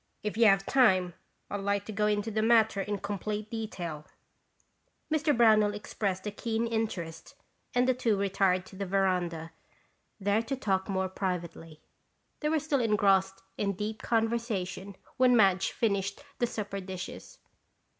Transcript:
If you have the time, I'd like to go into the matter in complete detail." Mr. Brownell expressed a keen interest and the two retired to the veranda, there to talk more privately. They were still engrossed in deep conversation when Madge finished the supper dishes.